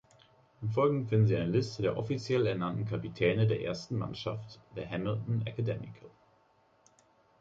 Im Folgenden finden Sie eine Liste der offiziell ernannten Kapitäne der ersten Mannschaft der Hamilton Academical.